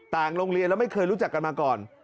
โรงเรียนแล้วไม่เคยรู้จักกันมาก่อน